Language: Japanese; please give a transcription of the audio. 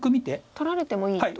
取られてもいいと。